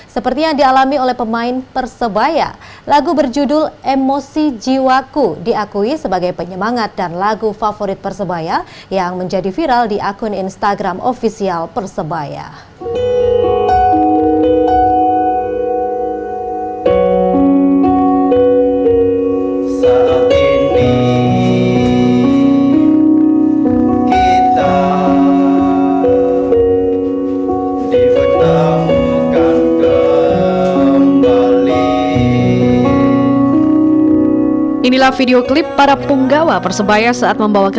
seperti yang dialami oleh pemain persebaya lagu berjudul emosi jiwaku diakui sebagai penyemangat dan lagu favorit persebaya yang menjadi viral di akun instagram ofisial persebaya